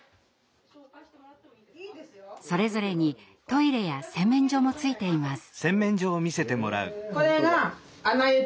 それぞれにトイレや洗面所も付いています。